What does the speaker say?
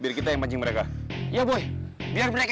tapi kita gak bisa mengejar mereka